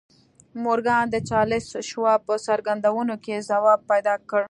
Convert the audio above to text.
مورګان د چارليس شواب په څرګندونو کې ځواب پيدا کړ.